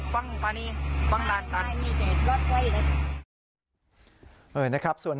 เพื่อกลับไว้เลย